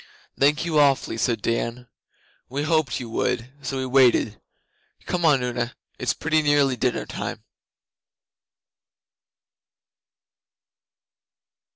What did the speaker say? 'Thank you awfully,' said Dan. 'We hoped you would, so we waited. Come on, Una, it's pretty nearly dinner time.